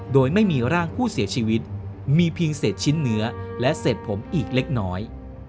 โดยไม่มีร่างผู้เสียชีวิตมีเพียงเศษชิ้นเนื้อและเศษผมอีกเล็กน้อย